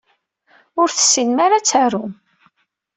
Ur tessinem ara ad tarum.